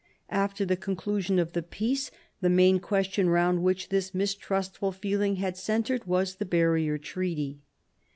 After the conclusion of the peace, the main question round which this mistrustful feeling had centred was the Barrier Treaty.